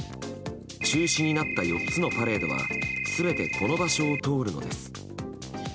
中止になった４つのパレードは全てこの場所を通るのです。